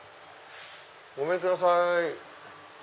ごめんください。